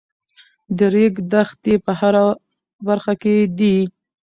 د ریګ دښتې په هره برخه کې دي.